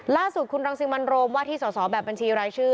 ล่าสุดคุณรังสิมันโรมว่าที่สอสอแบบบัญชีรายชื่อ